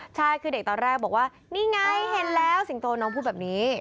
ใช่คือเด็กตอนแรกบอกว่านี่ไงเห็นแล้วสิงโตน้องพูดแบบนี้